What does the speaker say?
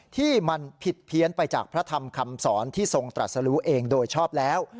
ที่มันผิดเพี้ยนไปจากพระธรรมคำสอนที่ทรงตรัสรู้เองโดยชอบแล้ว